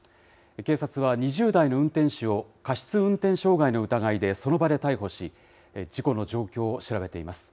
警察は２０代の運転手を過失運転障害の疑いでその場で逮捕し、事故の状況を調べています。